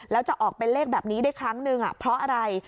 แล้วจะออกเป็นเลขแบบนี้ได้ครั้งนึงเพราะอะไร